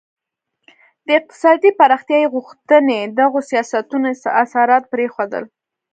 د اقتصادي پراختیايي غوښتنې دغو سیاستونو اثرات پرېښودل.